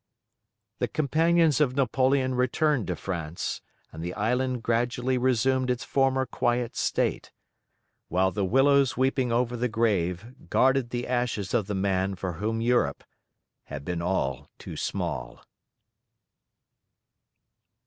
The companions of Napoleon returned to France, and the island gradually resumed its former quiet state, while the willows weeping over the grave guarded the ashes of the man for whom Europe had been all too small.